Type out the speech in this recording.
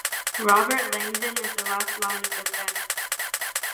Robert Langdon is the last line of defense.